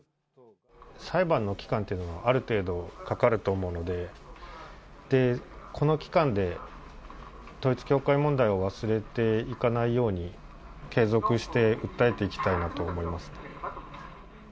裁判の期間っていうのは、ある程度かかると思うので、この期間で統一教会問題を忘れていかないように、継続して訴えていきたいなと思います。